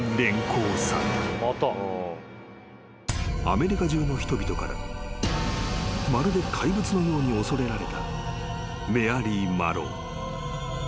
［アメリカ中の人々からまるで怪物のように恐れられたメアリー・マローン］